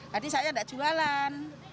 berarti saya gak jualan